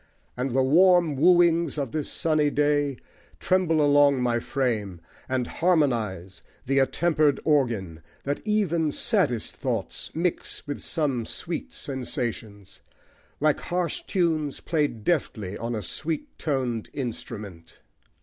And the warm wooings of this sunny day Tremble along my frame and harmonise The attempered organ, that even saddest thoughts Mix with some sweet sensations, like harsh tunes Played deftly on a sweet toned instrument.